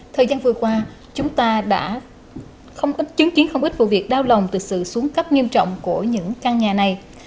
thời gian vừa qua chúng ta đã không ít chứng kiến không ít vụ việc đau lòng từ sự xuống cấp nghiêm trọng của những căn nhà này